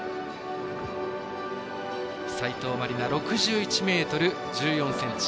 斉藤真理菜、６１ｍ１４ｃｍ。